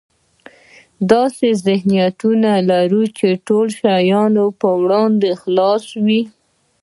داسې ذهنيت ولره چې د ټولو شیانو په وړاندې خلاص وي.